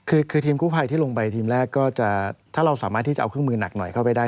คือทีมกู้ภัยที่ลงไปทีมแรกก็จะถ้าเราสามารถที่จะเอาเครื่องมือหนักหน่อยเข้าไปได้